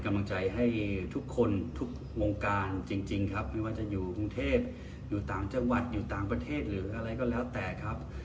กำลังใจให้ทุกคนทุกวงการจริงครับไม่ว่าจะอยู่กรุงเทพอยู่ต่างจังหวัดอยู่ต่างประเทศหรืออะไรก็แล้วแต่ครับ